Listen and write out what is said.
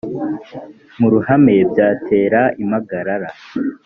mu ruhame byatera impagarara